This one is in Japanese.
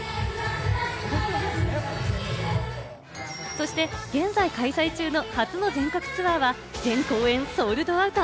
そして現在、開催中の初の全国ツアーは全公演ソールドアウト。